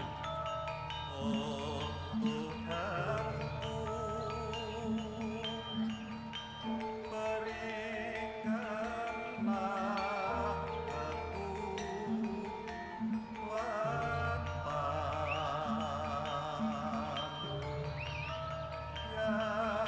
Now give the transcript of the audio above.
di bandara informal dissepuh